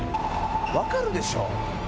分かるでしょ？